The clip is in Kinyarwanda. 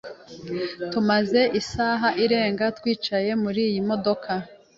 Tumaze isaha irenga twicaye muriyi modoka.